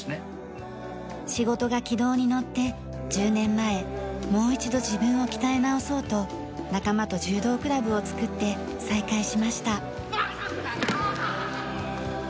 仕事が軌道にのって１０年前もう一度自分を鍛え直そうと仲間と柔道クラブを作って再開しました。